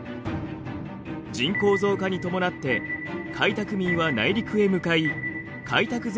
人口増加に伴って開拓民は内陸へ向かい開拓